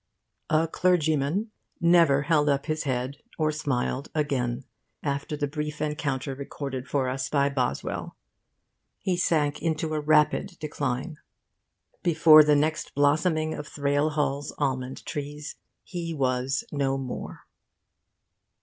'A Clergyman' never held up his head or smiled again after the brief encounter recorded for us by Boswell. He sank into a rapid decline. Before the next blossoming of Thrale Hall's almond trees he was no more.